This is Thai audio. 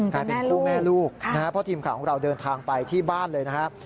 กลายเป็นคู่แม่ลูกนะครับเพราะทีมข่าวของเราเดินทางไปที่บ้านเลยนะครับ